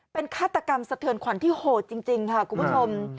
เป็นฆาตกรรมสะเทือนขวัญที่โหดจริงค่ะคุณผู้ชม